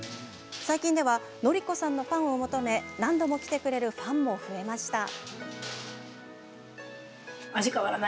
最近では、則子さんのパンを求め何度も来てくれるファンも増えました。